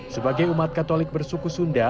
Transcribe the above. sebagai umat katolik bersuku sunda